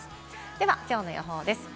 では、きょうの予報です。